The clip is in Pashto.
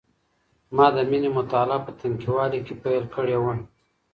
ما د مینې مطالعه په تنکیواله کي پیل کړې وه.